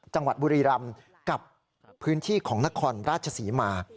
จังหวัดบุรีรำกับพื้นที่ของนครราชศรีมา